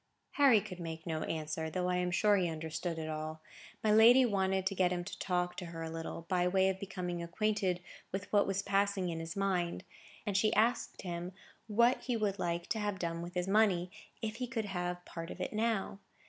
Harry could make no answer, though I am sure he understood it all. My lady wanted to get him to talk to her a little, by way of becoming acquainted with what was passing in his mind; and she asked him what he would like to have done with his money, if he could have part of it now?